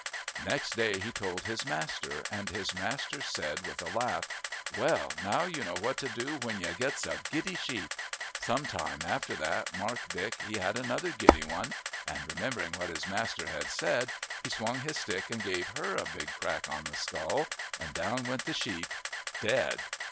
Next day he told his master, and his master said, with a laugh, 'Well, now you know what to do when you gits a giddy sheep.' Some time after that Mark Dick he had another giddy one, and remembering what his master had said, he swung his stick and gave her a big crack on the skull, and down went the sheep, dead.